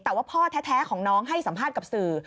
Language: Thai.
แต่ว่าพ่อแท้ของน้องให้สัมภาษณ์กับสื่อ